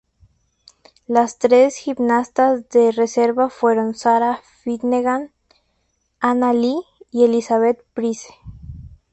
Las tres gimnastas de reserva fueron Sarah Finnegan, Anna Li y Elizabeth Price.